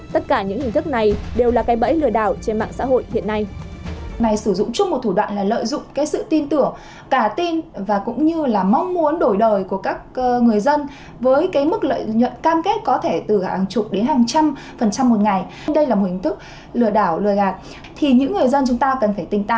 tất cả những hình thức này đều là cây bẫy lừa đảo trên mạng xã hội hiện nay